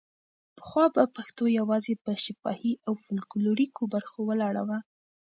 پخوا به پښتو یوازې په شفاهي او فولکلوریکو برخو ولاړه وه.